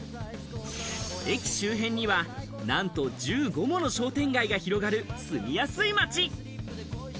駅周辺にはなんと１５もの商店街が広がる住みやすい街。